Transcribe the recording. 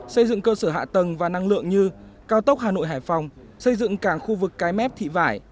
xây dựng cơ sở hạ tầng và năng lượng như cao tốc hà nội hải phòng xây dựng cảng khu vực cái mép thị vải